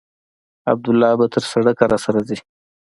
عبدالله به تر سړکه راسره ځي.